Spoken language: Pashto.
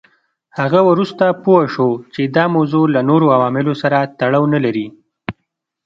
هغه وروسته پوه شو چې دا موضوع له نورو عواملو سره تړاو نه لري.